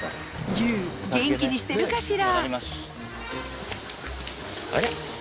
ＹＯＵ元気にしてるかしら？